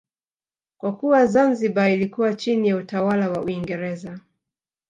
Kwa kuwa Zanzibar ilikuwa chini ya utawala wa Uingereza